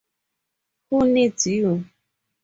Who Needs You?